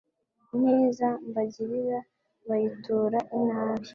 Ineza mbagirira bayitura inabi